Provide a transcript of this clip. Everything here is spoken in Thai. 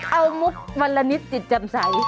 เอามุกวันละนิดจิตจำใส